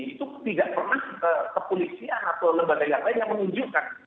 itu tidak pernah kepolisian atau lembaga yang lain yang menunjukkan